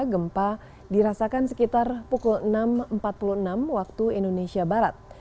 gempa dirasakan sekitar pukul enam empat puluh enam waktu indonesia barat